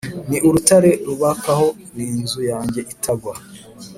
Ni urutare nubakaho ni inzu yanjye itagwa